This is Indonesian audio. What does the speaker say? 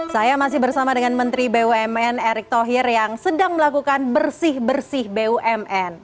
saya masih bersama dengan menteri bumn erick thohir yang sedang melakukan bersih bersih bumn